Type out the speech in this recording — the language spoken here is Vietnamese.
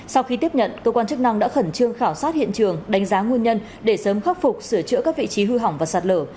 sau khi tiếp nhận cơ quan chức năng đã khẩn trương khảo sát hiện trường đánh giá nguyên nhân để sớm khắc phục sửa chữa các vị trí hư hỏng và sạt lở